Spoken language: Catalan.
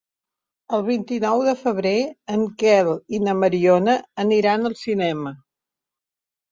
El vint-i-nou de febrer en Quel i na Mariona aniran al cinema.